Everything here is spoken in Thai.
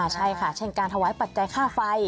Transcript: ใช่ค่ะเช่นการถวายปัจจัยค่าไฟ